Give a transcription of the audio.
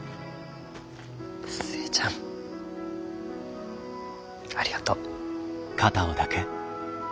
寿恵ちゃんありがとう。